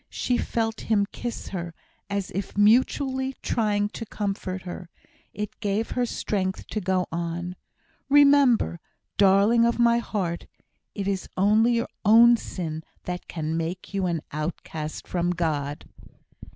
(she felt him kiss her, as if mutely trying to comfort her it gave her strength to go on) "remember, darling of my heart, it is only your own sin that can make you an outcast from God."